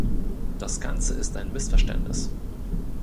Das Ganze ist ein Missverständnis.